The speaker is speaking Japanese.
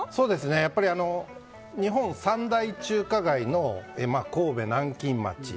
やっぱり日本三大中華街の神戸南京町。